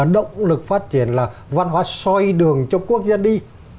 động lực phát triển là văn hóa xoay đường cho quốc gia đi